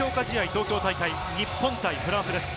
東京大会、日本対フランスです。